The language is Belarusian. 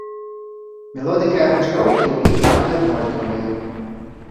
Мелодыка і аранжыроўкі ў іх амаль аднолькавыя.